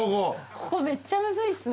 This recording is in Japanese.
ここめっちゃむずいっすね。